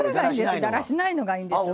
だらしないのがいいんですわ。